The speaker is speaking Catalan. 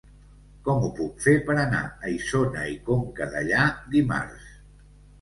Com ho puc fer per anar a Isona i Conca Dellà dimarts?